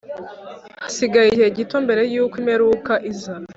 Hasigaye igihe gito mbere yuko imperuka iza